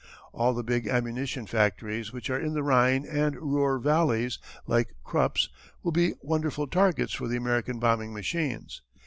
"All the big ammunition factories which are in the Rhine and Ruhr valleys, like Krupp's, will be wonderful targets for the American bombing machines.